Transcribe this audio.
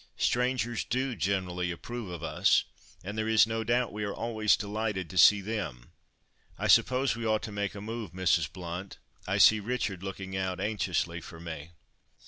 Strangers do generally approve of us, and there is no doubt we are always delighted to see them. I suppose we ought to make a move, Mrs. Blount, I see Richard looking out anxiously for me.